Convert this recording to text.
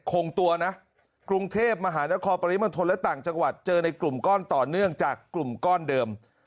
คงตัวนะกรุงเทพมหานครปริมณฑลและต่างจังหวัดเจอในกลุ่มก้อนต่อเนื่องจากกลุ่มก้อนเดิม